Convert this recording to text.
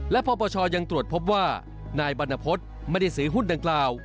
และปปชยังตรวจพบว่านายบรรณพฤษไม่ได้ซื้อหุ้นดังกล่าว